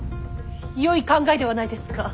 よい考えではないですか！